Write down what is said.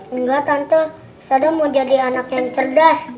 enggak tante sadam mau jadi anak yang cerdas